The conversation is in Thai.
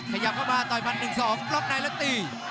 ขยับเข้ามาต่อยมัน๑๒ล๊อคในแล้วตี